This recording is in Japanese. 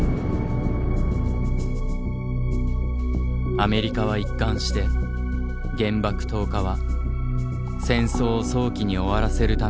アメリカは一貫して原爆投下は戦争を早期に終わらせるためだったとしてきた。